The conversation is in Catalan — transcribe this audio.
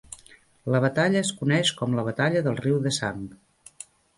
La batalla es coneix com la Batalla del riu de sang.